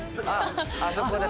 あそこだ！